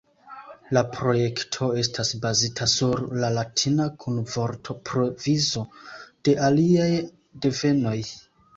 La projekto estas bazita sur la latina kun vortprovizo de aliaj devenoj.